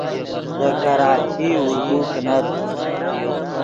دے کراچی اردو کینت